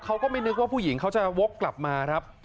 เขาก็ไม่นึกว่าผู้หญิงเขาจะวกกลับมาครับ